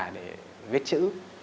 để viết chữ